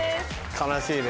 悲しいね。